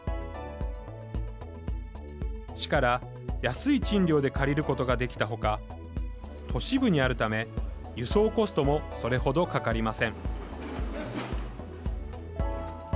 市から安い賃料で借りることができたほか都市部にあるため、輸送コストもそれほどかかりません。